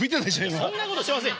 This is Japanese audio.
そんなことしてませんよ。